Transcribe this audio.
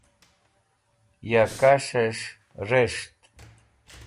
ya kas̃h'es̃h res̃ht